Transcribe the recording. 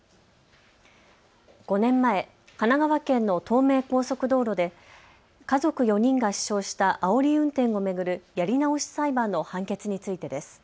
５年前、神奈川県の東名高速道路で家族４人が死傷したあおり運転を巡るやり直し裁判の判決についてです。